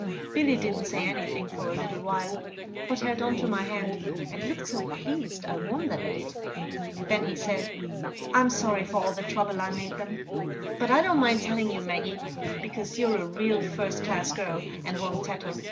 Billy didn't say anything for a little while, but held on to my hand, and looked so pleased, I wondered at it. Then he said: "I'm sorry for all the trouble I made them; but I don't mind telling you, Maggie, because you're a real first class girl, and won't tattle.